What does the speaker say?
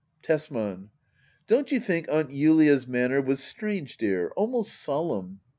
Tesman. Don't you think Aunt Julia's manner was strange, dear ? Almost solemn